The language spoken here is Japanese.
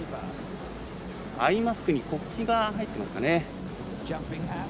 アイマスクに国旗が入っていましたかね。